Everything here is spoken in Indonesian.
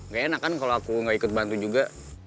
gak enak kan kalau aku gak ikut bantu juga